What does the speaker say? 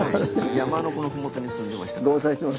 山のこのふもとに住んでましたから。